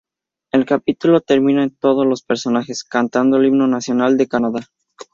El capítulo termina con todos los personajes cantando el himno nacional de Canadá.